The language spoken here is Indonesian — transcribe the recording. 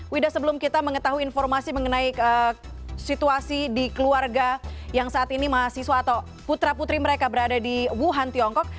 wida sebelum kita mengetahui informasi mengenai situasi di keluarga yang saat ini mahasiswa atau putra putri mereka berada di wuhan tiongkok